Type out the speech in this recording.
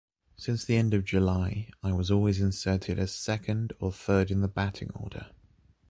Since the end of July, it was always inserted as second or third in the Batting order.